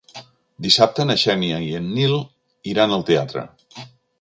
Dissabte na Xènia i en Nil iran al teatre.